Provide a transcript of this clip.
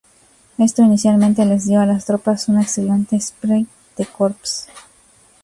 Esto inicialmente les dio a las tropas un excelente esprit de corps.